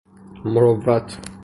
مروت